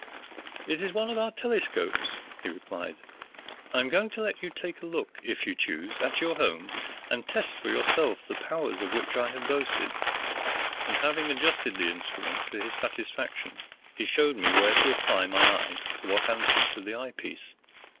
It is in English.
"It is one of our telescopes," he replied. "I am going to let you take a look, if you choose, at your home, and test for yourself the powers of which I have boasted;" and having adjusted the instrument to his satisfaction, he showed me where to apply my eye to what answered to the eye piece.